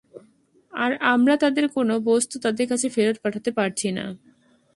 আর আমরা তাদের কোন বস্তু তাদের কাছে ফেরত পাঠাতে পারছি না।